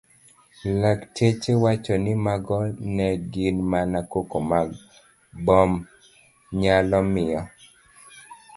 Lakteche wacho ni mago ne gin mana koko mag mbom nyalo miyo